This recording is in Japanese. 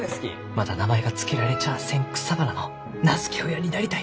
まだ名前が付けられちゃあせん草花の名付け親になりたい。